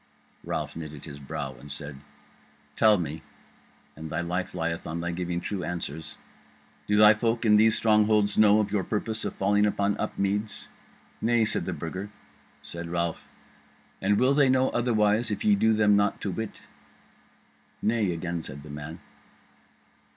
Ralph knitted his brow, and said: "Tell me (and thy life lieth on thy giving true answers), do thy folk in these strongholds know of your purpose of falling upon Upmeads?" "Nay," said the Burger. Said Ralph: "And will they know otherwise if ye do them not to wit?" "Nay," again said the man.